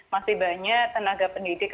masih banyak tenaga pendidik